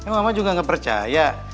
mama juga nggak percaya